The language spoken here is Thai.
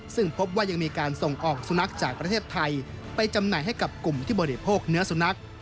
ซึ่งพบว่ายังมีการส่งออกสุนัขจากประเทศไทยไปจำหน่ายให้กับกลุ่มที่บริโภคเนื้อสุนัข